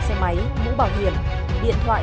xe máy mũ bảo hiểm điện thoại